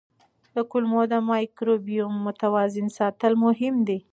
د کولمو مایکروبیوم متوازن ساتل مهم دي.